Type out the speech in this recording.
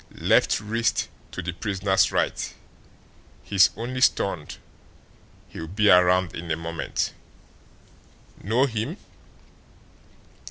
Left wrist to the prisoner's right. He's only stunned; he'll be around in a moment. Know him?"